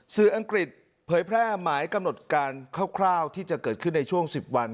อังกฤษเผยแพร่หมายกำหนดการคร่าวที่จะเกิดขึ้นในช่วง๑๐วัน